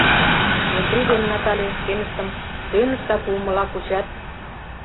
Метрий ден Натале шкеныштым тӧныштак улмыла кучат.